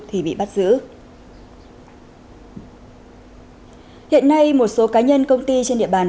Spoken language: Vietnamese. hiện nay một số cá nhân công ty trên địa bàn